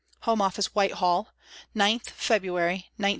HOME OFFICE, WHITEHALL, " 9th February, 1910.